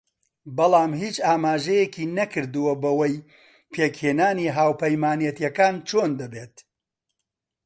بەڵام هیچ ئاماژەیەکی نەکردووە بەوەی پێکهێنانی هاوپەیمانێتییەکان چۆن دەبێت